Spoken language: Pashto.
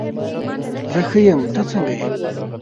زه ښه یم، ته څنګه یې؟